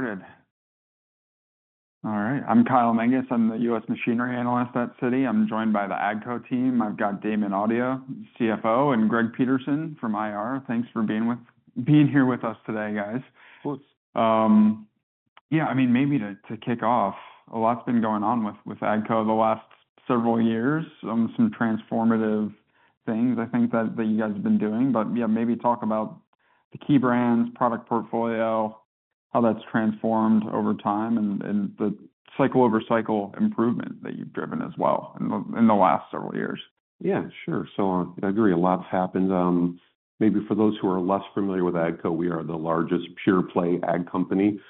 Get started. All right, I'm Kyle Menges. I'm the U.S. machinery analyst at Citi. I'm joined by the AGCO team. I've got Damon Audia, CFO, and Greg Peterson from IR. Thanks for being here with us today, guys. Of course. Yeah, I mean, maybe to kick off, a lot's been going on with AGCO the last several years. Some transformative things I think that you guys have been doing. But, yeah, maybe talk about the key brands, product portfolio, how that's transformed over time, and the cycle-over-cycle improvement that you've driven as well in the last several years. Yeah, sure. So I agree, a lot's happened. Maybe for those who are less familiar with AGCO, we are the largest pure-play ag company.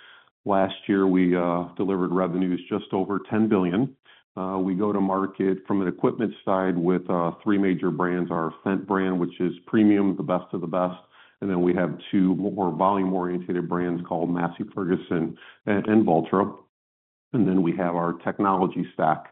Last year, we delivered revenues just over $10 billion. We go to market from an equipment side with three major brands: our Fendt brand, which is premium, the best of the best, and then we have two more volume-oriented brands called Massey Ferguson and Valtra. And then we have our technology stack,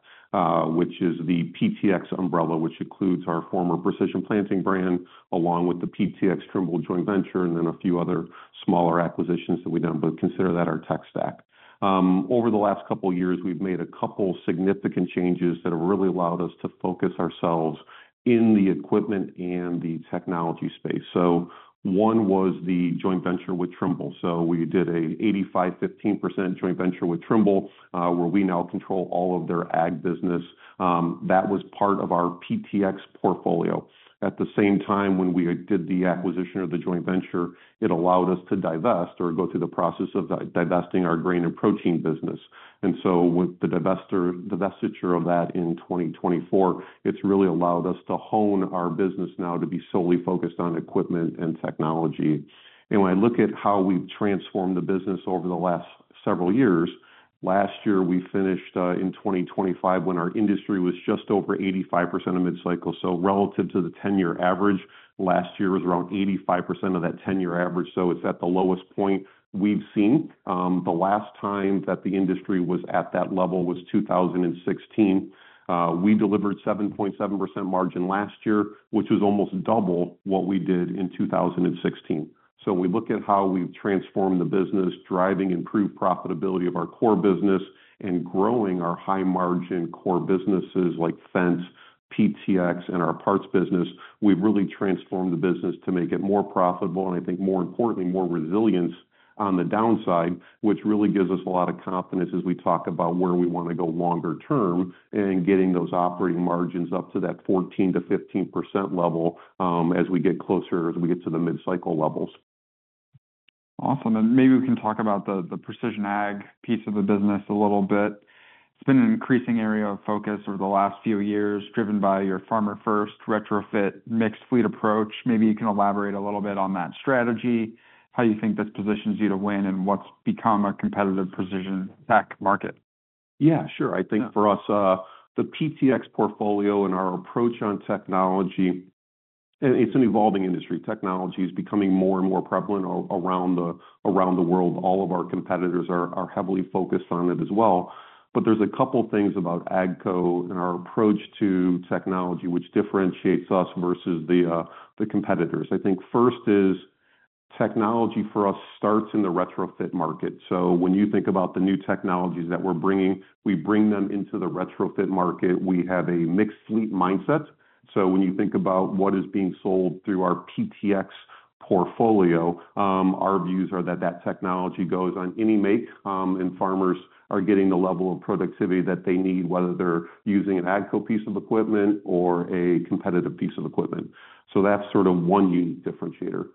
which is the PTx umbrella, which includes our former Precision Planting brand, along with the PTx Trimble joint venture, and then a few other smaller acquisitions that we've done, but consider that our tech stack. Over the last couple of years, we've made a couple significant changes that have really allowed us to focus ourselves in the equipment and the technology space. So one was the joint venture with Trimble. So we did a 85/15% joint venture with Trimble, where we now control all of their ag business. That was part of our PTx portfolio. At the same time, when we did the acquisition or the joint venture, it allowed us to divest or go through the process of divesting our grain and protein business. And so with the divestiture of that in 2024, it's really allowed us to hone our business now to be solely focused on equipment and technology. And when I look at how we've transformed the business over the last several years, last year, we finished in 2025, when our industry was just over 85% of mid-cycle. So relative to the ten-year average, last year was around 85% of that ten-year average, so it's at the lowest point we've seen. The last time that the industry was at that level was 2016. We delivered 7.7% margin last year, which was almost double what we did in 2016. We look at how we've transformed the business, driving improved profitability of our core business and growing our high-margin core businesses like Fendt, PTx, and our parts business. We've really transformed the business to make it more profitable, and I think more importantly, more resilience on the downside, which really gives us a lot of confidence as we talk about where we want to go longer term and getting those operating margins up to that 14%-15% level, as we get closer, as we get to the mid-cycle levels. Awesome. And maybe we can talk about the precision ag piece of the business a little bit. It's been an increasing area of focus over the last few years, driven by your farmer-first retrofit mixed-fleet approach. Maybe you can elaborate a little bit on that strategy, how you think this positions you to win in what's become a competitive precision tech market. Yeah, sure. Yeah. I think for us, the PTx portfolio and our approach on technology, it's an evolving industry. Technology is becoming more and more prevalent around the world. All of our competitors are heavily focused on it as well. But there's a couple things about AGCO and our approach to technology, which differentiates us versus the competitors. I think first is technology for us starts in the retrofit market. So when you think about the new technologies that we're bringing, we bring them into the retrofit market. We have a mixed-fleet mindset. So when you think about what is being sold through our PTx portfolio, our views are that that technology goes on any make, and farmers are getting the level of productivity that they need, whether they're using an AGCO piece of equipment or a competitive piece of equipment. So that's sort of one unique differentiator.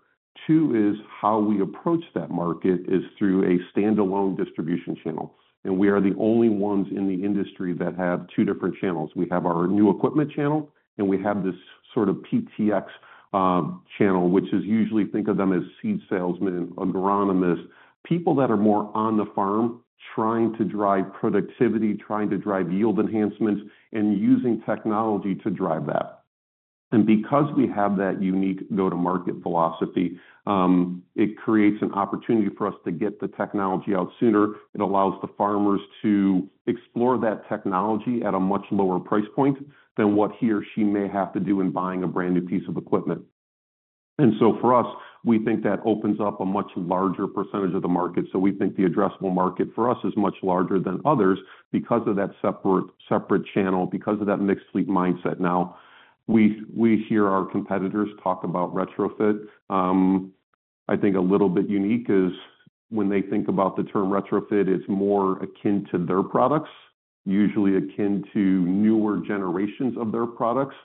Two is how we approach that market is through a standalone distribution channel, and we are the only ones in the industry that have two different channels. We have our new equipment channel, and we have this sort of PTx channel, which is usually think of them as seed salesmen and agronomists. People that are more on the farm, trying to drive productivity, trying to drive yield enhancements, and using technology to drive that. And because we have that unique go-to-market philosophy, it creates an opportunity for us to get the technology out sooner. It allows the farmers to explore that technology at a much lower price point than what he or she may have to do in buying a brand-new piece of equipment. And so for us, we think that opens up a much larger percentage of the market. So we think the addressable market for us is much larger than others because of that separate, separate channel, because of that mixed-fleet mindset. Now, we, we hear our competitors talk about retrofit. I think a little bit unique is when they think about the term retrofit, it's more akin to their products, usually akin to newer generations of their products,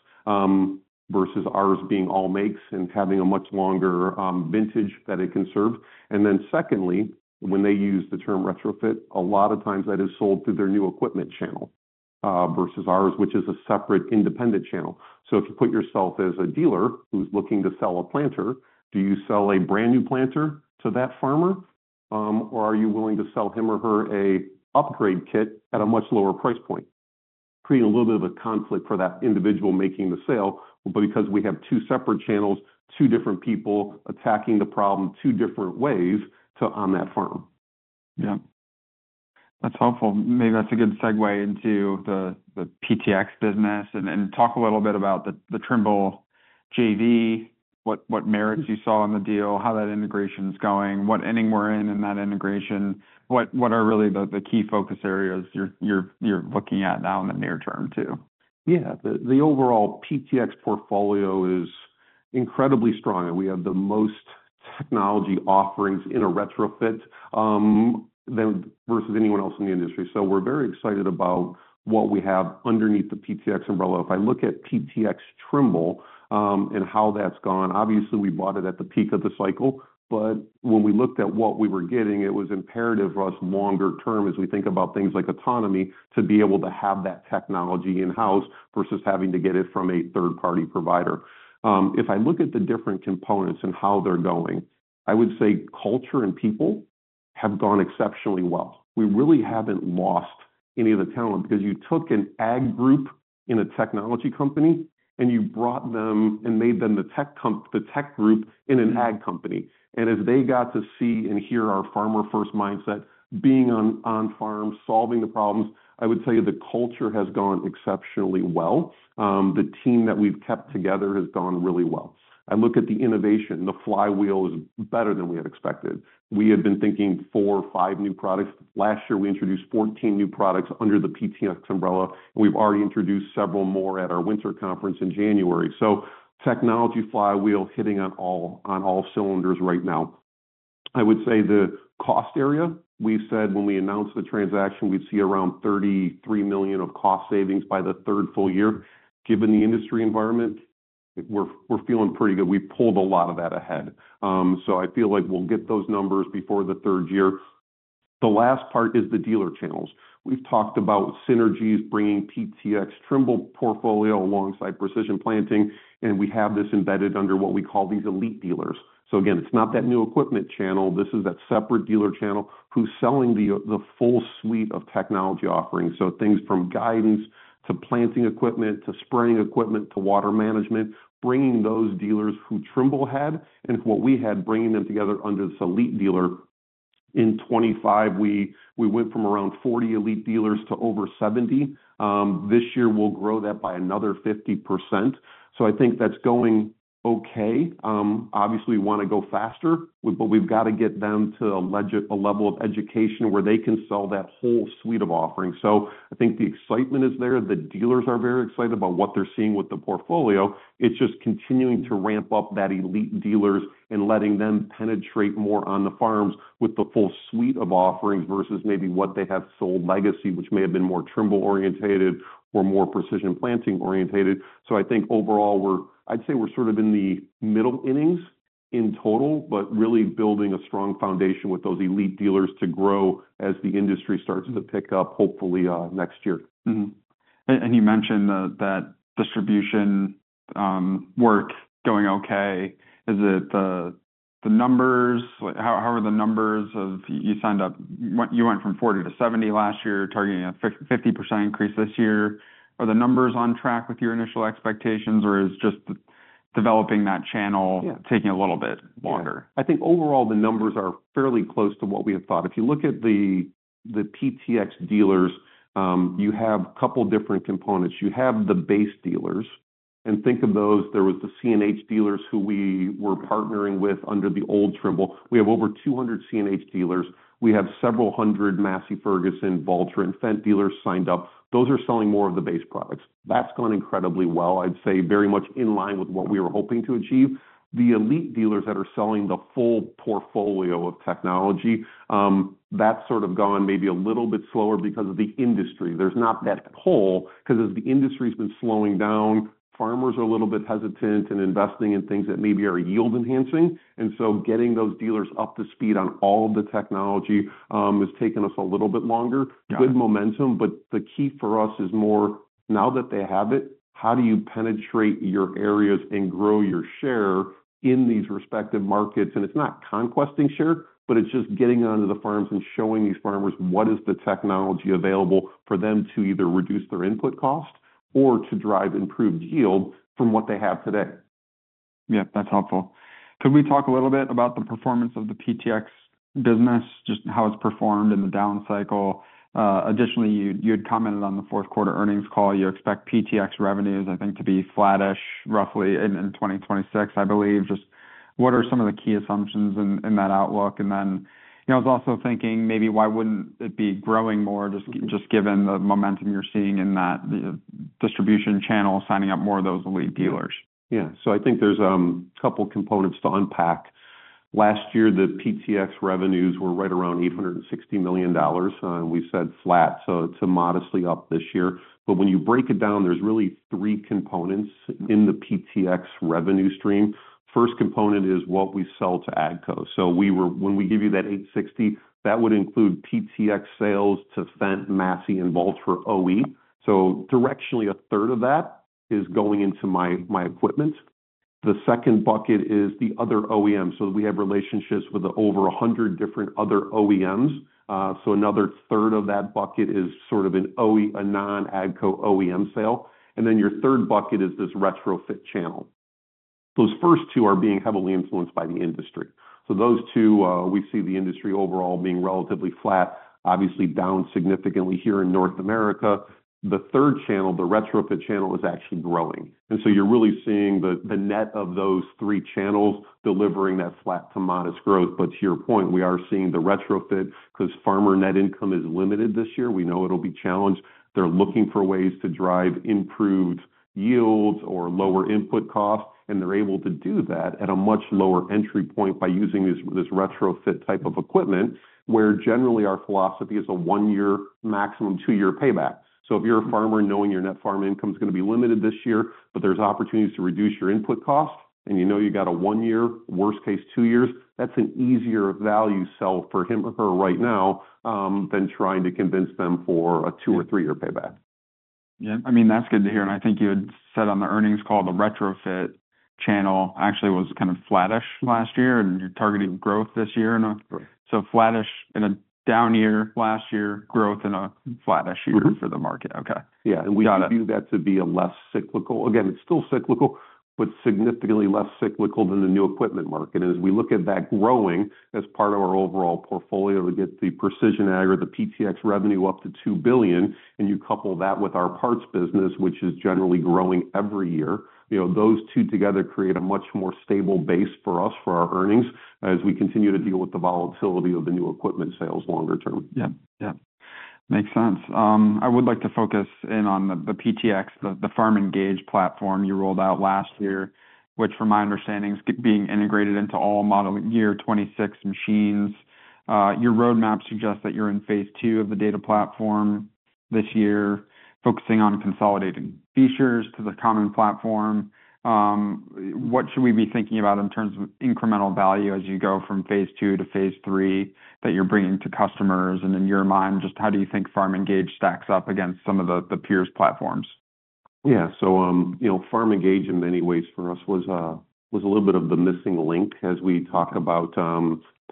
versus ours being all makes and having a much longer vintage that it can serve. And then secondly, when they use the term retrofit, a lot of times that is sold through their new equipment channel, versus ours, which is a separate independent channel. So if you put yourself as a dealer who's looking to sell a planter, do you sell a brand-new planter to that farmer? or are you willing to sell him or her a upgrade kit at a much lower price point? Create a little bit of a conflict for that individual making the sale, but because we have two separate channels, two different people attacking the problem two different ways to on that farm. Yeah.... That's helpful. Maybe that's a good segue into the PTx business, and talk a little bit about the Trimble JV. What merits you saw on the deal, how that integration's going, what inning we're in in that integration? What are really the key focus areas you're looking at now in the near term, too? Yeah. The overall PTx portfolio is incredibly strong, and we have the most technology offerings in a retrofit than versus anyone else in the industry. So we're very excited about what we have underneath the PTx umbrella. If I look at PTx Trimble and how that's gone, obviously, we bought it at the peak of the cycle, but when we looked at what we were getting, it was imperative for us longer term, as we think about things like autonomy, to be able to have that technology in-house versus having to get it from a third-party provider. If I look at the different components and how they're going, I would say culture and people have gone exceptionally well. We really haven't lost any of the talent because you took an ag group in a technology company, and you brought them and made them the tech group in an ag company. And as they got to see and hear our farmer first mindset, being on farm, solving the problems, I would tell you the culture has gone exceptionally well. The team that we've kept together has gone really well. I look at the innovation. The flywheel is better than we had expected. We had been thinking four or five new products. Last year, we introduced 14 new products under the PTx umbrella, and we've already introduced several more at our winter conference in January. So technology flywheel hitting on all cylinders right now. I would say the cost area, we said when we announced the transaction, we'd see around $33 million of cost savings by the third full year. Given the industry environment, we're feeling pretty good. We've pulled a lot of that ahead. So I feel like we'll get those numbers before the third year. The last part is the dealer channels. We've talked about synergies, bringing PTx Trimble portfolio alongside Precision Planting, and we have this embedded under what we call these Elite Dealers. So again, it's not that new equipment channel. This is that separate dealer channel who's selling the full suite of technology offerings. So things from guidance to planting equipment to spraying equipment to water management, bringing those dealers who Trimble had and what we had, bringing them together under this Elite Dealer. In 2025, we went from around 40 Elite Dealers to over 70. This year, we'll grow that by another 50%. So I think that's going okay. Obviously, we wanna go faster, but we've got to get them to a level of education where they can sell that whole suite of offerings. So I think the excitement is there. The dealers are very excited about what they're seeing with the portfolio. It's just continuing to ramp up that Elite Dealers and letting them penetrate more on the farms with the full suite of offerings versus maybe what they have sold legacy, which may have been more Trimble-oriented or more Precision Planting-oriented. So I think overall, we're... I'd say we're sort of in the middle innings in total, but really building a strong foundation with those Elite Dealers to grow as the industry starts to pick up, hopefully, next year. Mm-hmm. And you mentioned that distribution work going okay. Is it the numbers? How are the numbers of... You went from 40 to 70 last year, targeting a 50% increase this year. Are the numbers on track with your initial expectations, or is just developing that channel- Yeah. Taking a little bit longer? I think overall, the numbers are fairly close to what we had thought. If you look at the PTx dealers, you have a couple of different components. You have the base dealers, and think of those, there was the CNH dealers who we were partnering with under the old Trimble. We have over 200 CNH dealers. We have several hundred Massey Ferguson, Valtra, and Fendt dealers signed up. Those are selling more of the base products. That's gone incredibly well. I'd say very much in line with what we were hoping to achieve. The Elite dealers that are selling the full portfolio of technology, that's sort of gone maybe a little bit slower because of the industry. There's not that pull, because as the industry's been slowing down, farmers are a little bit hesitant in investing in things that maybe are yield enhancing. And so getting those dealers up to speed on all the technology has taken us a little bit longer. Yeah. Good momentum, but the key for us is more, now that they have it, how do you penetrate your areas and grow your share in these respective markets? And it's not conquesting share, but it's just getting it onto the farms and showing these farmers what is the technology available for them to either reduce their input cost or to drive improved yield from what they have today. Yeah, that's helpful. Can we talk a little bit about the performance of the PTx business, just how it's performed in the down cycle? Additionally, you had commented on the fourth quarter earnings call, you expect PTx revenues, I think, to be flattish, roughly in 2026, I believe. Just what are some of the key assumptions in that outlook? And then, you know, I was also thinking, maybe why wouldn't it be growing more, just given the momentum you're seeing in that distribution channel, signing up more of those Elite Dealers? Yeah. So I think there's a couple components to unpack. Last year, the PTx revenues were right around $860 million, and we said flat, so to modestly up this year. But when you break it down, there's really three components in the PTx revenue stream. First component is what we sell to AGCO. So we were—When we give you that eight sixty, that would include PTx sales to Fendt, Massey, and Valtra OE. So directionally, a third of that is going into my, my equipment. The second bucket is the other OEMs. So we have relationships with over 100 different other OEMs. So another third of that bucket is sort of an OE, a non-AGCO OEM sale. And then your third bucket is this retrofit channel. Those first two are being heavily influenced by the industry. So those two, we see the industry overall being relatively flat, obviously down significantly here in North America. The third channel, the retrofit channel, is actually growing, and so you're really seeing the net of those three channels delivering that flat to modest growth. But to your point, we are seeing the retrofit because farmer net income is limited this year. We know it'll be challenged. They're looking for ways to drive improved yields or lower input costs, and they're able to do that at a much lower entry point by using this retrofit type of equipment, where generally our philosophy is a one-year, maximum two-year payback. So if you're a farmer knowing your net farm income is going to be limited this year, but there's opportunities to reduce your input costs, and you know you got a one year, worst case, two years, that's an easier value sell for him or her right now, than trying to convince them for a two or three-year payback. Yeah, I mean, that's good to hear, and I think you had said on the earnings call, the retrofit channel actually was kind of flattish last year, and you're targeting growth this year. And so flattish in a down year, last year, growth in a flattish year for the market. Okay. Yeah. Got it. We view that to be a less cyclical. Again, it's still cyclical, but significantly less cyclical than the new equipment market. As we look at that growing as part of our overall portfolio, we get the precision ag or the PTx revenue up to $2 billion, and you couple that with our parts business, which is generally growing every year. You know, those two together create a much more stable base for us, for our earnings, as we continue to deal with the volatility of the new equipment sales longer term. Yeah. Yeah. Makes sense. I would like to focus in on the PTx, the FarmENGAGE platform you rolled out last year, which from my understanding, is being integrated into all model year 2026 machines. Your roadmap suggests that you're in phase two of the data platform this year, focusing on consolidating features to the common platform. What should we be thinking about in terms of incremental value as you go from phase two to phase three, that you're bringing to customers? And in your mind, just how do you think FarmENGAGE stacks up against some of the peers platforms? Yeah. So, you know, FarmENGAGE, in many ways for us was, was a little bit of the missing link as we talk about,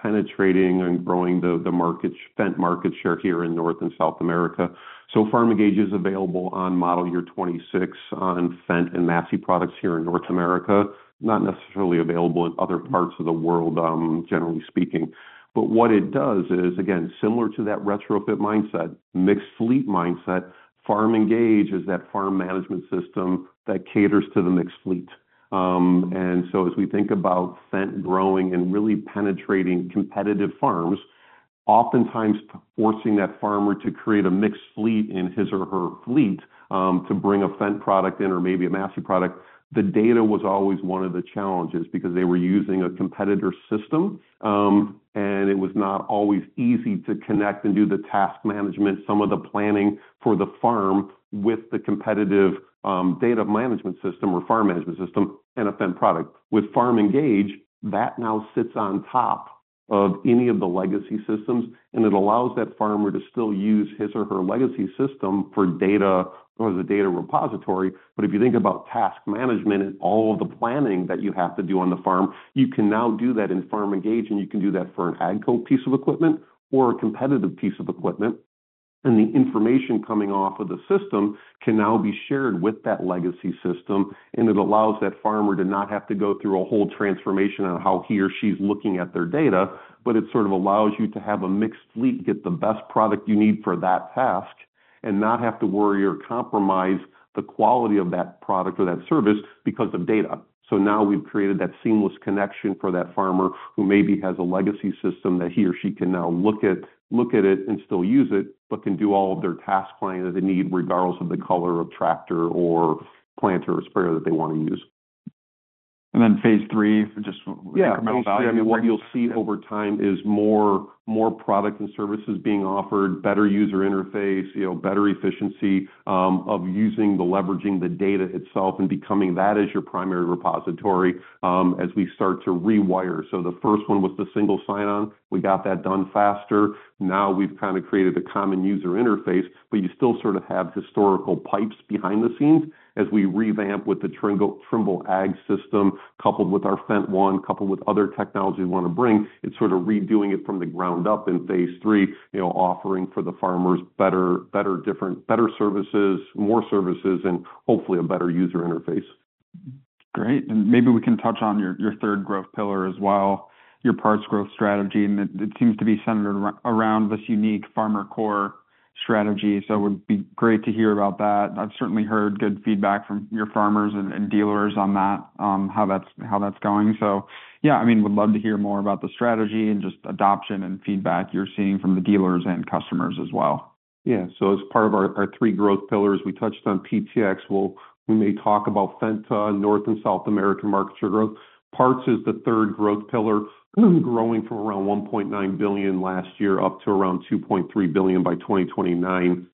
penetrating and growing the, the market, aftermarket share here in North and South America. So FarmENGAGE is available on model year 2026 on Fendt and Massey products here in North America. Not necessarily available in other parts of the world, generally speaking. But what it does is, again, similar to that retrofit mindset, mixed fleet mindset, FarmENGAGE is that farm management system that caters to the mixed fleet. And so as we think about Fendt growing and really penetrating competitive farms, oftentimes forcing that farmer to create a mixed fleet in his or her fleet, to bring a Fendt product in or maybe a Massey product, the data was always one of the challenges because they were using a competitor system, and it was not always easy to connect and do the task management. Some of the planning for the farm with the competitive data management system or farm management system and a Fendt product. With FarmENGAGE, that now sits on top of any of the legacy systems, and it allows that farmer to still use his or her legacy system for data or the data repository. But if you think about task management and all of the planning that you have to do on the farm, you can now do that in FarmENGAGE, and you can do that for an AGCO piece of equipment or a competitive piece of equipment. The information coming off of the system can now be shared with that legacy system, and it allows that farmer to not have to go through a whole transformation on how he or she's looking at their data, but it sort of allows you to have a mixed fleet, get the best product you need for that task, and not have to worry or compromise the quality of that product or that service because of data. Now we've created that seamless connection for that farmer who maybe has a legacy system that he or she can now look at it and still use it, but can do all of their task planning that they need, regardless of the color of tractor or planter or sprayer that they want to use. And then phase three for just incremental value. Yeah, phase three, what you'll see over time is more, more products and services being offered, better user interface, you know, better efficiency, of using the leveraging the data itself and becoming that as your primary repository, as we start to rewire. So the first one was the single sign-on. We got that done faster. Now we've kind of created a common user interface, but you still sort of have historical pipes behind the scenes as we revamp with the Trimble ag system, coupled with our FendtONE, coupled with other technologies we want to bring. It's sort of redoing it from the ground up in phase three, you know, offering for the farmers better, better, different, better services, more services, and hopefully a better user interface. Great. And maybe we can touch on your third growth pillar as well, your parts growth strategy. And it seems to be centered around this unique FarmerCore strategy, so it would be great to hear about that. I've certainly heard good feedback from your farmers and dealers on that, how that's going. So yeah, I mean, would love to hear more about the strategy and just adoption and feedback you're seeing from the dealers and customers as well. Yeah. So as part of our, our three growth pillars, we touched on PTx. We'll, we may talk about Fendt, North and South American markets for growth. Parts is the third growth pillar, growing from around $1.9 billion last year up to around $2.3 billion by 2029.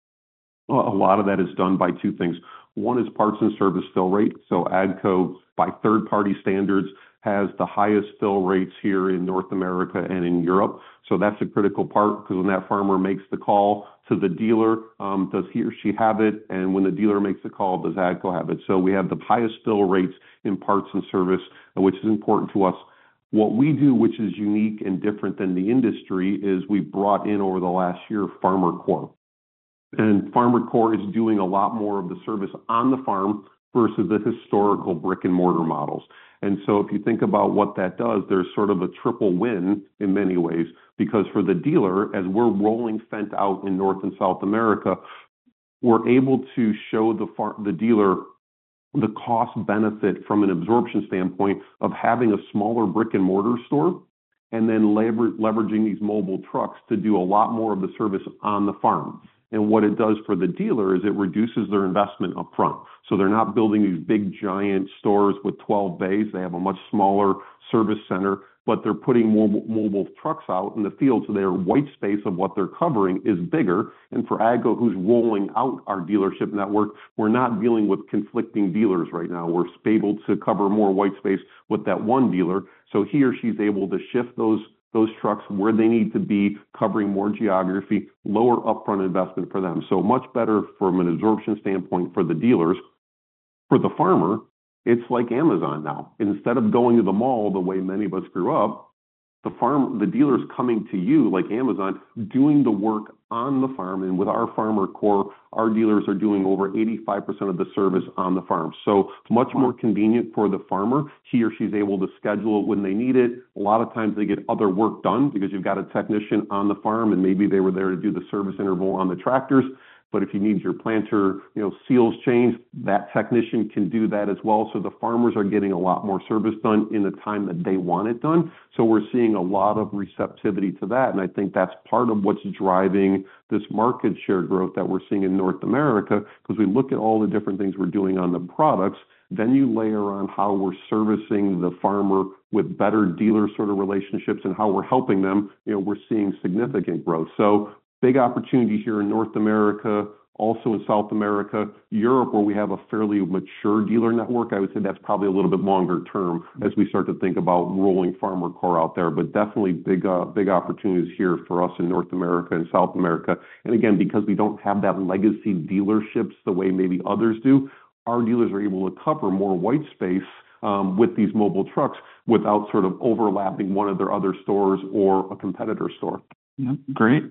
A lot of that is done by two things. One is parts and service fill rate. So AGCO, by third-party standards, has the highest fill rates here in North America and in Europe. So that's a critical part, because when that farmer makes the call to the dealer, does he or she have it? And when the dealer makes the call, does AGCO have it? So we have the highest fill rates in parts and service, which is important to us. What we do, which is unique and different than the industry, is we've brought in over the last year FarmerCore, and FarmerCore is doing a lot more of the service on the farm versus the historical brick-and-mortar models. And so if you think about what that does, there's sort of a triple win in many ways, because for the dealer, as we're rolling Fendt out in North and South America, we're able to show the dealer the cost benefit from an absorption standpoint of having a smaller brick-and-mortar store and then leveraging these mobile trucks to do a lot more of the service on the farm. And what it does for the dealer is it reduces their investment upfront. So they're not building these big, giant stores with 12 bays. They have a much smaller service center, but they're putting more mobile trucks out in the field, so their white space of what they're covering is bigger. And for AGCO, who's rolling out our dealership network, we're not dealing with conflicting dealers right now. We're able to cover more white space with that one dealer, so he or she's able to shift those, those trucks where they need to be, covering more geography, lower upfront investment for them. So much better from an absorption standpoint for the dealers. For the farmer, it's like Amazon now. Instead of going to the mall, the way many of us grew up, the farm, the dealer's coming to you, like Amazon, doing the work on the farm. And with our FarmerCore, our dealers are doing over 85% of the service on the farm. So much more convenient for the farmer. He or she's able to schedule it when they need it. A lot of times they get other work done because you've got a technician on the farm, and maybe they were there to do the service interval on the tractors. But if you need your planter, you know, seals changed, that technician can do that as well. So the farmers are getting a lot more service done in the time that they want it done. So we're seeing a lot of receptivity to that, and I think that's part of what's driving this market share growth that we're seeing in North America. 'Cause we look at all the different things we're doing on the products, then you layer on how we're servicing the farmer with better dealer sort of relationships and how we're helping them, you know, we're seeing significant growth. So big opportunity here in North America, also in South America. Europe, where we have a fairly mature dealer network, I would say that's probably a little bit longer term as we start to think about rolling FarmerCore out there. But definitely big, big opportunities here for us in North America and South America. And again, because we don't have that legacy dealerships the way maybe others do, our dealers are able to cover more white space, with these mobile trucks without sort of overlapping one of their other stores or a competitor store. Yeah. Great.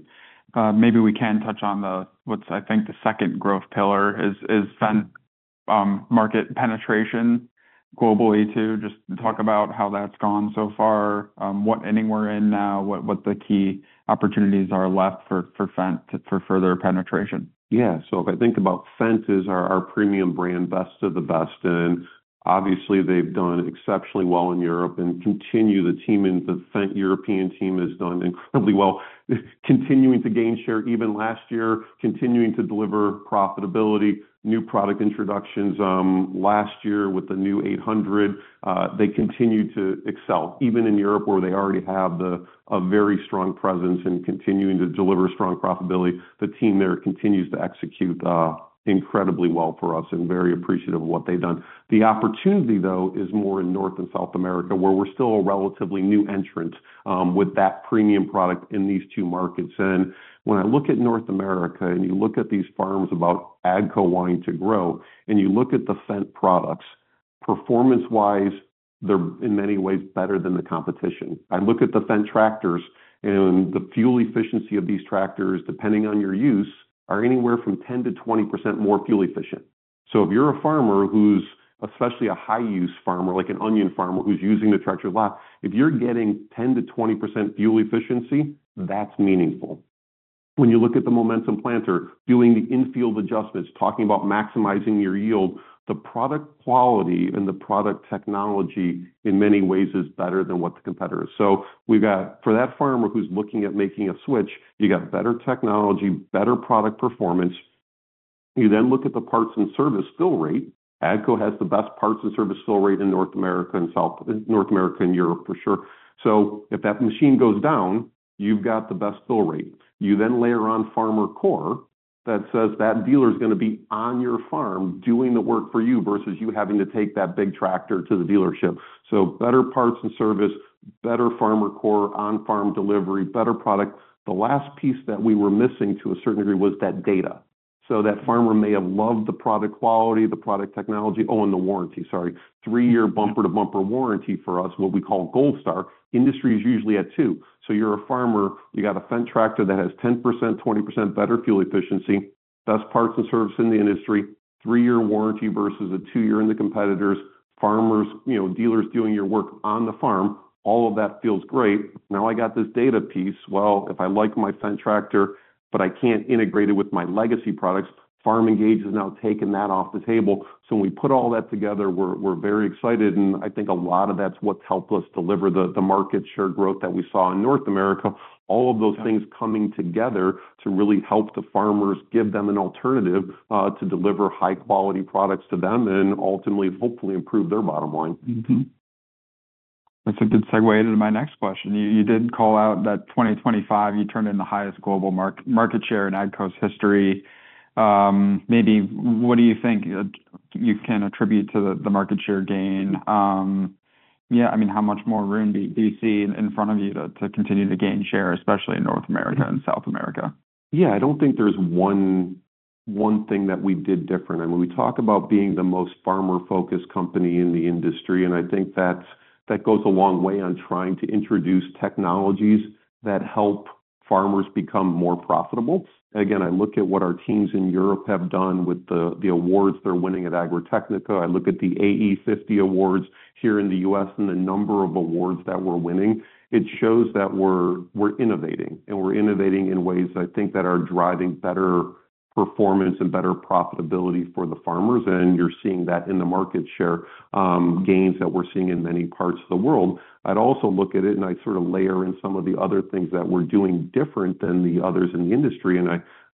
Maybe we can touch on the... What's, I think, the second growth pillar is, is Fendt market penetration globally, too. Just talk about how that's gone so far, what inning we're in now, what the key opportunities are left for Fendt to... for further penetration. Yeah. So if I think about Fendt is our, our premium brand, best of the best, and obviously, they've done exceptionally well in Europe and continue. The team in the Fendt European team has done incredibly well, continuing to gain share even last year, continuing to deliver profitability, new product introductions. Last year with the new 800, they continued to excel, even in Europe, where they already have the, a very strong presence and continuing to deliver strong profitability. The team there continues to execute, incredibly well for us and very appreciative of what they've done. The opportunity, though, is more in North and South America, where we're still a relatively new entrant, with that premium product in these two markets. When I look at North America, and you look at these farms about AGCO wanting to grow, and you look at the Fendt products, performance-wise, they're in many ways better than the competition. I look at the Fendt tractors and the fuel efficiency of these tractors, depending on your use, are anywhere from 10%-20% more fuel efficient. So if you're a farmer who's especially a high-use farmer, like an onion farmer who's using the tractor a lot, if you're getting 10%-20% fuel efficiency, that's meaningful. When you look at the Momentum Planter doing the in-field adjustments, talking about maximizing your yield, the product quality and the product technology in many ways is better than what the competitor is. So we've got... For that farmer who's looking at making a switch, you got better technology, better product performance. You then look at the parts and service fill rate. AGCO has the best parts and service fill rate in North America and Europe for sure. So if that machine goes down, you've got the best fill rate. You then layer on FarmerCore that says that dealer is gonna be on your farm doing the work for you versus you having to take that big tractor to the dealership. So better parts and service, better FarmerCore on-farm delivery, better product. The last piece that we were missing to a certain degree was that data. So that farmer may have loved the product quality, the product technology, oh, and the warranty, sorry. Three-year bumper-to-bumper warranty for us, what we call Gold Star. Industry is usually at two. So you're a farmer. You got a Fendt tractor that has 10%, 20% better fuel efficiency, best parts and service in the industry, three-year warranty versus a two-year in the competitors. Farmers, you know, dealers doing your work on the farm, all of that feels great. Now, I got this data piece. Well, if I like my Fendt tractor, but I can't integrate it with my legacy products, FarmENGAGE has now taken that off the table. So when we put all that together, we're very excited, and I think a lot of that's what's helped us deliver the market share growth that we saw in North America. All of those things coming together to really help the farmers, give them an alternative to deliver high-quality products to them and ultimately, hopefully, improve their bottom line. Mm-hmm. That's a good segue into my next question. You, you did call out that 2025, you turned in the highest global market share in AGCO's history. Maybe what do you think you can attribute to the, the market share gain? Yeah, I mean, how much more room do you see in front of you to, to continue to gain share, especially in North America and South America? Yeah, I don't think there's one thing that we did different, and when we talk about being the most farmer-focused company in the industry, and I think that's that goes a long way on trying to introduce technologies that help farmers become more profitable. Again, I look at what our teams in Europe have done with the awards they're winning at Agritechnica. I look at the AE50 Awards here in the U.S., and the number of awards that we're winning. It shows that we're innovating, and we're innovating in ways, I think, that are driving better performance and better profitability for the farmers. And you're seeing that in the market share gains that we're seeing in many parts of the world. I'd also look at it, and I sort of layer in some of the other things that we're doing different than the others in the industry. And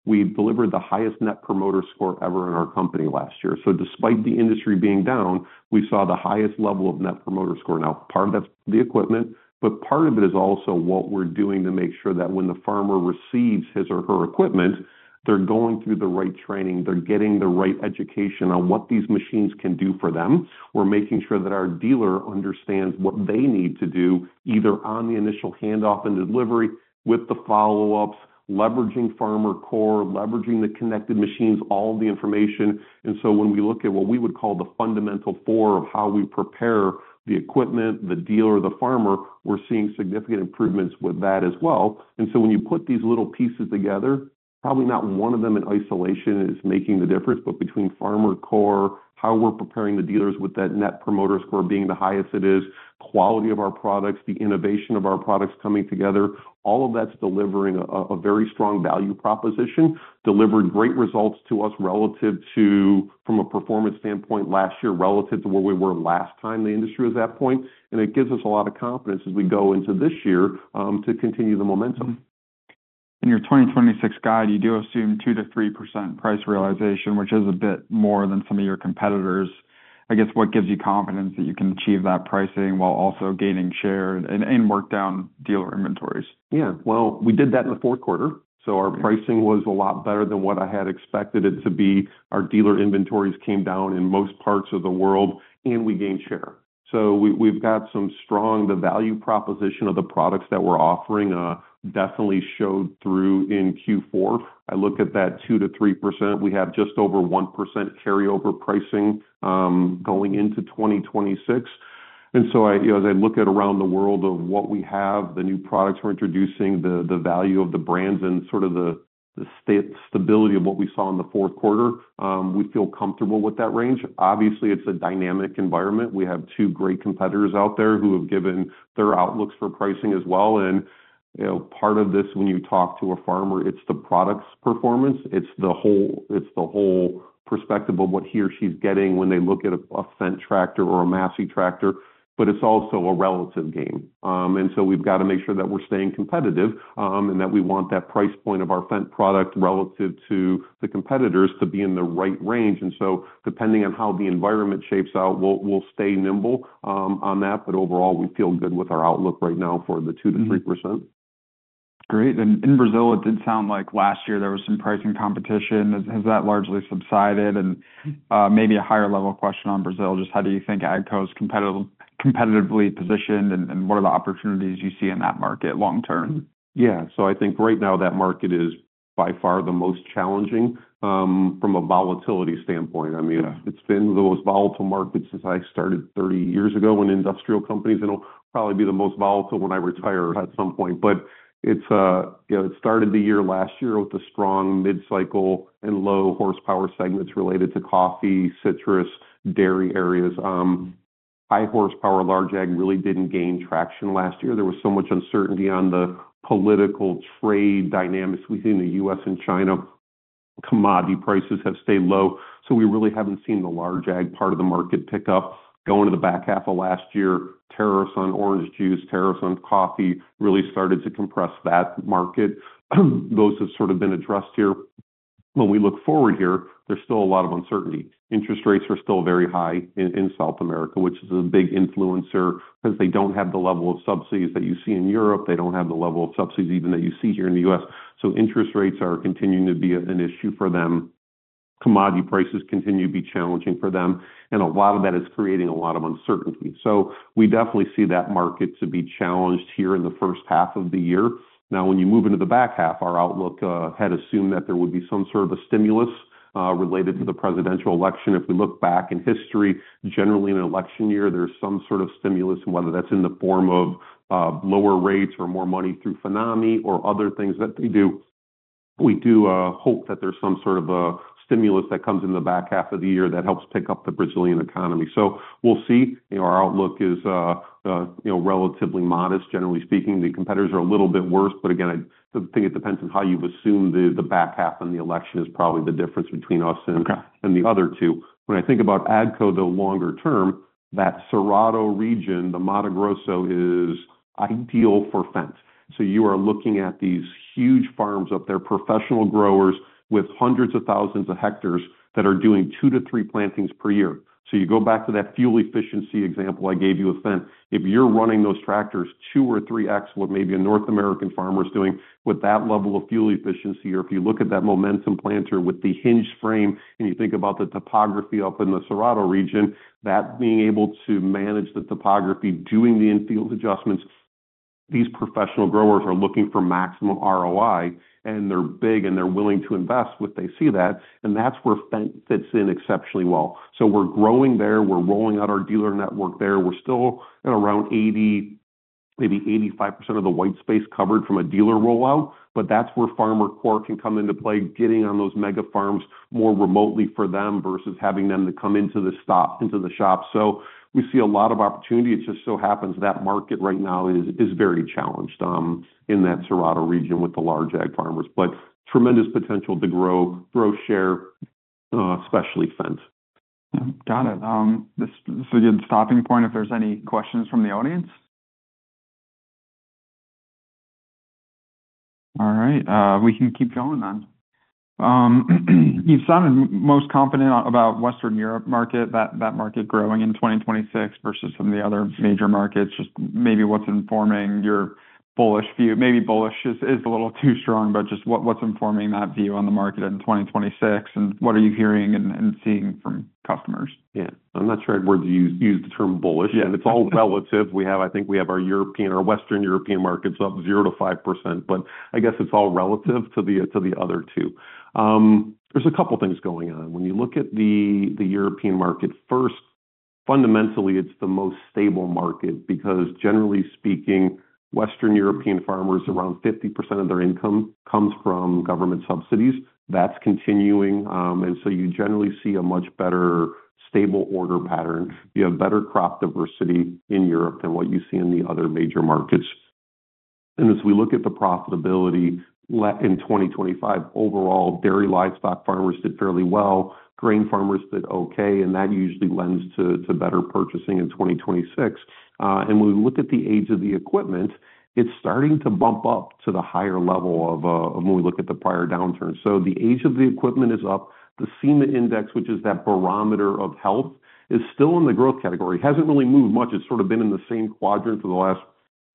we delivered the highest Net Promoter Score ever in our company last year. So despite the industry being down, we saw the highest level of Net Promoter Score. Now, part of that's the equipment, but part of it is also what we're doing to make sure that when the farmer receives his or her equipment, they're going through the right training. They're getting the right education on what these machines can do for them. We're making sure that our dealer understands what they need to do, either on the initial handoff and delivery with the follow-ups, leveraging FarmerCore, leveraging the connected machines, all of the information. When we look at what we would call the fundamental four of how we prepare the equipment, the dealer, the farmer, we're seeing significant improvements with that as well. When you put these little pieces together, probably not one of them in isolation is making the difference. Between FarmerCore, how we're preparing the dealers with that Net Promoter Score being the highest it is, quality of our products, the innovation of our products coming together, all of that's delivering a, a very strong value proposition. Delivered great results to us relative to, from a performance standpoint last year, relative to where we were last time the industry was at that point. It gives us a lot of confidence as we go into this year to continue the momentum. In your 2026 guide, you do assume 2%-3% price realization, which is a bit more than some of your competitors. I guess, what gives you confidence that you can achieve that pricing while also gaining share and work down dealer inventories? Yeah. Well, we did that in the fourth quarter, so our pricing was a lot better than what I had expected it to be. Our dealer inventories came down in most parts of the world, and we gained share. So we, we've got some strong... The value proposition of the products that we're offering, definitely showed through in Q4. I look at that 2%-3%. We have just over 1% carryover pricing, going into 2026. And so I, you know, as I look at around the world of what we have, the new products we're introducing, the, the value of the brands and sort of the, the stability of what we saw in the fourth quarter, we feel comfortable with that range. Obviously, it's a dynamic environment. We have two great competitors out there who have given their outlooks for pricing as well, and, you know, part of this, when you talk to a farmer, it's the product's performance. It's the whole, it's the whole perspective of what he or she's getting when they look at a Fendt tractor or a Massey tractor, but it's also a relative game. And so we've got to make sure that we're staying competitive, and that we want that price point of our Fendt product relative to the competitors to be in the right range. And so depending on how the environment shapes out, we'll stay nimble, on that, but overall, we feel good with our outlook right now for the 2%-3%. Great. And in Brazil, it did sound like last year there was some pricing competition. Has that largely subsided? And, maybe a higher level question on Brazil, just how do you think AGCO's competitively positioned, and what are the opportunities you see in that market long term? Yeah. So I think right now that market is by far the most challenging, from a volatility standpoint. I mean- Yeah... it's been the most volatile market since I started 30 years ago in industrial companies, and it'll probably be the most volatile when I retire at some point. But it's, you know, it started the year last year with a strong mid-cycle and low horsepower segments related to coffee, citrus, dairy areas. High horsepower, large ag really didn't gain traction last year. There was so much uncertainty on the political trade dynamics between the U.S. and China. Commodity prices have stayed low, so we really haven't seen the large ag part of the market pick up. Going to the back half of last year, tariffs on orange juice, tariffs on coffee, really started to compress that market. Those have sort of been addressed here. When we look forward here, there's still a lot of uncertainty. Interest rates are still very high in South America, which is a big influencer because they don't have the level of subsidies that you see in Europe. They don't have the level of subsidies even that you see here in the U.S. So interest rates are continuing to be an issue for them. Commodity prices continue to be challenging for them, and a lot of that is creating a lot of uncertainty. So we definitely see that market to be challenged here in the first half of the year. Now, when you move into the back half, our outlook had assumed that there would be some sort of a stimulus related to the presidential election. If we look back in history, generally in an election year, there's some sort of stimulus, and whether that's in the form of lower rates or more money through FINAME or other things that they do. We do hope that there's some sort of a stimulus that comes in the back half of the year that helps pick up the Brazilian economy. So we'll see. You know, our outlook is, you know, relatively modest. Generally speaking, the competitors are a little bit worse, but again, I think it depends on how you've assumed the back half on the election is probably the difference between us and- Okay... and the other two. When I think about AGCO, though, longer term, that Cerrado region, the Mato Grosso, is ideal for Fendt. So you are looking at these huge farms up there, professional growers with hundreds of thousands of hectares that are doing two to three plantings per year. So you go back to that fuel efficiency example I gave you with Fendt. If you're running those tractors 2x or 3x what maybe a North American farmer is doing, with that level of fuel efficiency, or if you look at that Momentum planter with the hinged frame, and you think about the topography up in the Cerrado region, that being able to manage the topography, doing the in-field adjustments... These professional growers are looking for maximum ROI, and they're big, and they're willing to invest when they see that, and that's where Fendt fits in exceptionally well. So we're growing there. We're rolling out our dealer network there. We're still at around 80, maybe 85% of the white space covered from a dealer rollout, but that's where FarmerCore can come into play, getting on those mega farms more remotely for them, versus having them to come into the stop, into the shop. So we see a lot of opportunity. It just so happens that market right now is very challenged in that Cerrado region with the large ag farmers, but tremendous potential to grow, grow share, especially Fendt. Got it. This is a good stopping point if there's any questions from the audience. All right, we can keep going then. You sounded most confident about Western Europe market, that, that market growing in 2026 versus some of the other major markets. Just maybe what's informing your bullish view? Maybe bullish is, is a little too strong, but just what, what's informing that view on the market in 2026, and what are you hearing and, and seeing from customers? Yeah, I'm not sure I'd use the term bullish. Yeah. It's all relative. We have, I think we have our European or Western European markets up 0%-5%, but I guess it's all relative to the other two. There's a couple things going on. When you look at the European market, first, fundamentally, it's the most stable market because generally speaking, Western European farmers, around 50% of their income comes from government subsidies. That's continuing. And so you generally see a much better stable order pattern. You have better crop diversity in Europe than what you see in the other major markets. As we look at the profitability in 2025, overall, dairy livestock farmers did fairly well, grain farmers did okay, and that usually lends to better purchasing in 2026. And when we look at the age of the equipment, it's starting to bump up to the higher level of, when we look at the prior downturn. So the age of the equipment is up. The CEMA Index, which is that barometer of health, is still in the growth category. It hasn't really moved much. It's sort of been in the same quadrant for the last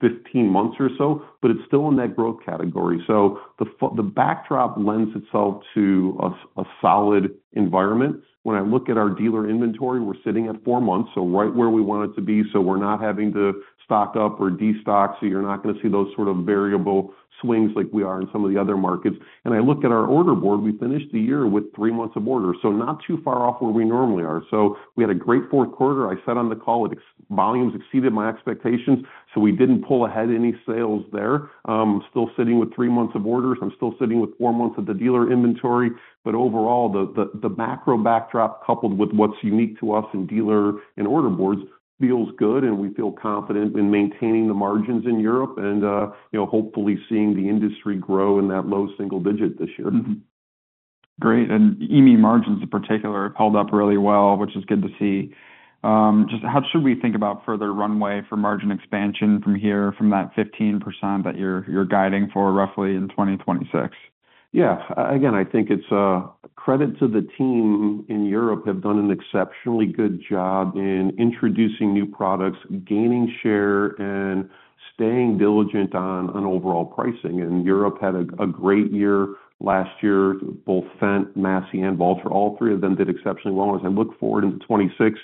15 months or so, but it's still in that growth category. So the backdrop lends itself to a, a solid environment. When I look at our dealer inventory, we're sitting at four months, so right where we want it to be, so we're not having to stock up or destock, so you're not gonna see those sort of variable swings like we are in some of the other markets. I look at our order board, we finished the year with three months of order, so not too far off where we normally are. We had a great fourth quarter. I said on the call, volumes exceeded my expectations, so we didn't pull ahead any sales there. Still sitting with three months of orders. I'm still sitting with four months of the dealer inventory, but overall, the macro backdrop, coupled with what's unique to us in dealer and order boards, feels good, and we feel confident in maintaining the margins in Europe and, you know, hopefully seeing the industry grow in that low single digit this year. Mm-hmm. Great, and EME margins, in particular, have held up really well, which is good to see. Just how should we think about further runway for margin expansion from here, from that 15% that you're, you're guiding for roughly in 2026? Yeah. Again, I think it's a credit to the team in Europe have done an exceptionally good job in introducing new products, gaining share, and staying diligent on overall pricing. And Europe had a great year last year. Both Fendt, Massey, and Valtra, all three of them did exceptionally well. As I look forward into 2026,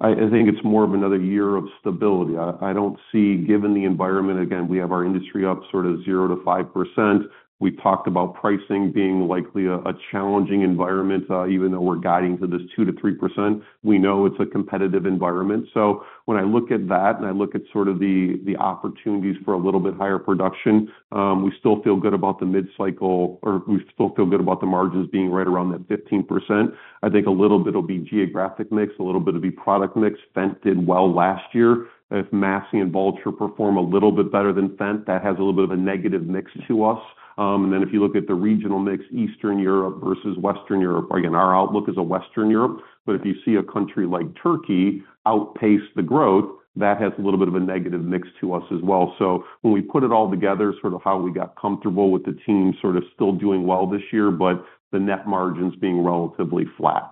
I think it's more of another year of stability. I don't see, given the environment again, we have our industry up sort of 0%-5%. We talked about pricing being likely a challenging environment, even though we're guiding to this 2%-3%, we know it's a competitive environment. So when I look at that, and I look at sort of the, the opportunities for a little bit higher production, we still feel good about the Mid-Cycle, or we still feel good about the margins being right around that 15%. I think a little bit will be geographic mix, a little bit will be product mix. Fendt did well last year. If Massey and Valtra perform a little bit better than Fendt, that has a little bit of a negative mix to us. And then, if you look at the regional mix, Eastern Europe versus Western Europe, again, our outlook is a Western Europe. But if you see a country like Turkey outpace the growth, that has a little bit of a negative mix to us as well. So when we put it all together, sort of how we got comfortable with the team sort of still doing well this year, but the net margins being relatively flat.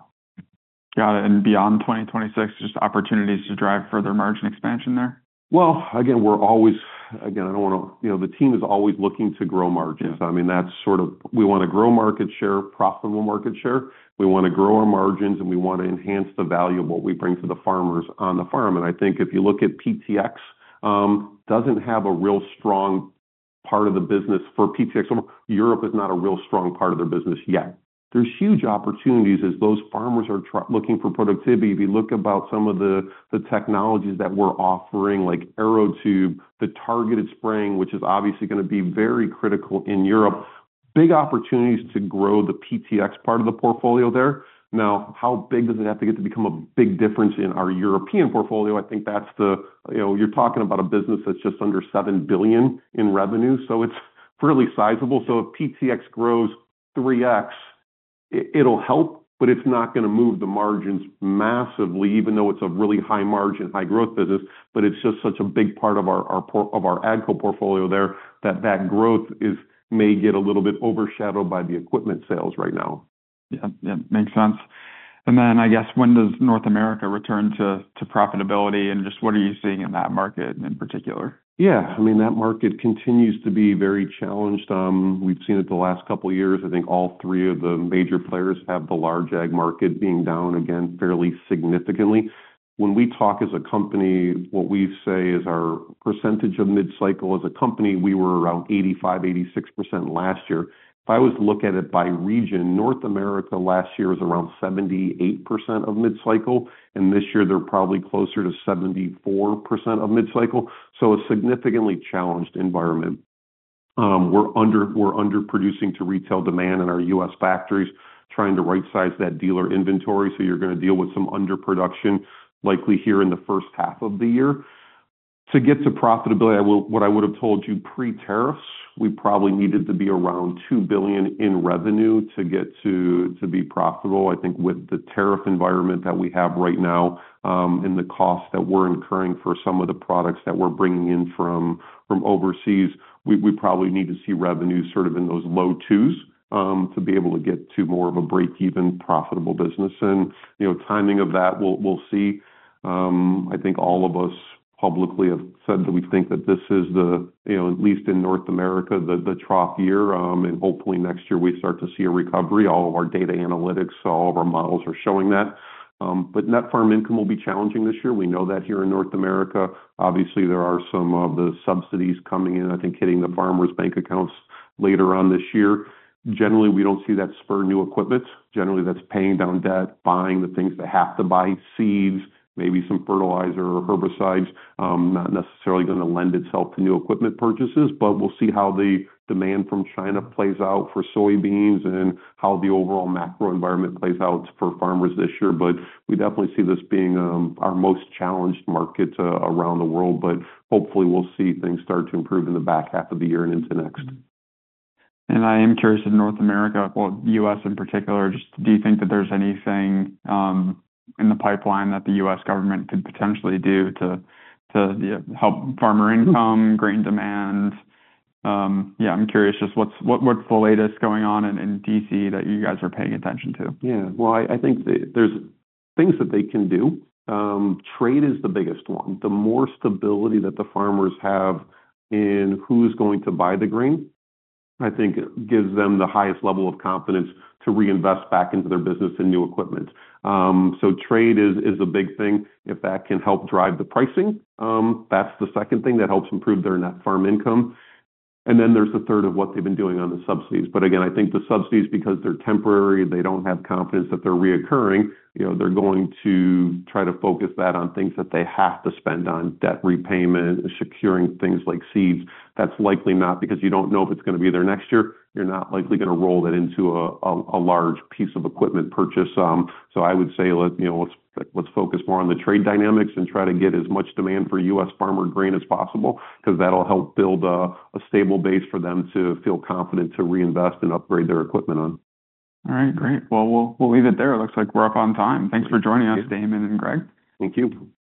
Got it. Beyond 2026, just opportunities to drive further margin expansion there? Well, again, we're always... Again, I don't wanna, you know, the team is always looking to grow margins. Yeah. I mean, that's sort of we wanna grow market share, profitable market share. We wanna grow our margins, and we want to enhance the value of what we bring to the farmers on the farm. And I think if you look at PTx, doesn't have a real strong part of the business. For PTx, Europe is not a real strong part of their business yet. There's huge opportunities as those farmers are looking for productivity. If you look about some of the, the technologies that we're offering, like AeroTube, the targeted spraying, which is obviously gonna be very critical in Europe, big opportunities to grow the PTx part of the portfolio there. Now, how big does it have to get to become a big difference in our European portfolio? I think that's the... You know, you're talking about a business that's just under $7 billion in revenue, so it's fairly sizable. So if PTx grows 3x, it'll help, but it's not gonna move the margins massively, even though it's a really high-margin, high-growth business, but it's just such a big part of our portfolio there, that growth may get a little bit overshadowed by the equipment sales right now. Yeah, yeah, makes sense. And then, I guess, when does North America return to profitability, and just what are you seeing in that market in particular? Yeah. I mean, that market continues to be very challenged. We've seen it the last couple of years. I think all three of the major players have the large ag market being down again fairly significantly. When we talk as a company, what we say is our percentage of mid-cycle as a company, we were around 85, 86% last year. If I was to look at it by region, North America last year was around 78% of mid-cycle, and this year they're probably closer to 74% of mid-cycle. So a significantly challenged environment. We're under, we're underproducing to retail demand in our U.S. factories, trying to right-size that dealer inventory, so you're gonna deal with some underproduction, likely here in the first half of the year. To get to profitability, what I would have told you pre-tariffs, we probably needed to be around $2 billion in revenue to get to, to be profitable. I think with the tariff environment that we have right now, and the cost that we're incurring for some of the products that we're bringing in from, from overseas, we, we probably need to see revenue sort of in those low $2 billion, to be able to get to more of a break-even profitable business. You know, timing of that, we'll, we'll see. I think all of us publicly have said that we think that this is the, you know, at least in North America, the, the trough year. Hopefully next year we start to see a recovery. All of our data analytics, all of our models are showing that. But net farm income will be challenging this year. We know that here in North America. Obviously, there are some of the subsidies coming in, I think, hitting the farmers' bank accounts later on this year. Generally, we don't see that spur new equipment. Generally, that's paying down debt, buying the things they have to buy, seeds, maybe some fertilizer or herbicides. Not necessarily gonna lend itself to new equipment purchases, but we'll see how the demand from China plays out for soybeans and how the overall macro environment plays out for farmers this year. But we definitely see this being our most challenged market around the world, but hopefully, we'll see things start to improve in the back half of the year and into next. I am curious, in North America, well, U.S. in particular, just do you think that there's anything in the pipeline that the U.S. government could potentially do to help farmer income, grain demand? Yeah, I'm curious, just what's the latest going on in D.C. that you guys are paying attention to? Yeah. Well, I think there, there's things that they can do. Trade is the biggest one. The more stability that the farmers have in who's going to buy the grain, I think it gives them the highest level of confidence to reinvest back into their business and new equipment. So trade is a big thing. If that can help drive the pricing, that's the second thing that helps improve their net farm income. And then there's the third of what they've been doing on the subsidies. But again, I think the subsidies, because they're temporary, they don't have confidence that they're recurring, you know, they're going to try to focus that on things that they have to spend on: debt repayment, securing things like seeds. That's likely not, because you don't know if it's gonna be there next year. You're not likely gonna roll that into a large piece of equipment purchase. So I would say, you know, let's focus more on the trade dynamics and try to get as much demand for U.S. farmer grain as possible, 'cause that'll help build a stable base for them to feel confident to reinvest and upgrade their equipment on. All right, great. Well, we'll, we'll leave it there. It looks like we're up on time. Thanks for joining us, Damon and Greg. Thank you. Thank you.